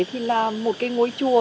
thì là một cái ngôi chùa